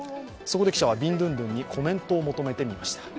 そこで記者はビンドゥンドゥンにコメントを求めてみました。